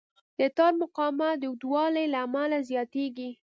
د تار مقاومت د اوږدوالي له امله زیاتېږي.